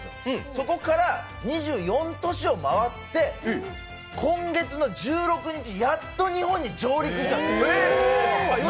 そこから２４都市を回って今月１６日、やっと、日本に上陸したんですよ。